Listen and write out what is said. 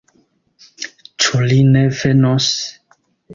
Ĉu li ne venos?